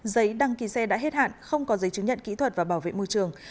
giấy đăng ký xe đã hết hạn không có giấy chứng nhận kỹ thuật và bảo vệ môi trường